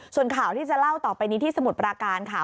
ส่วนข่าวที่จะเล่าต่อไปนี้ที่สมุทรปราการค่ะ